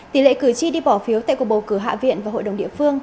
tỷ lệ cử tri đi bỏ phiếu tại cuộc bầu cử hạ viện và hội đồng địa phương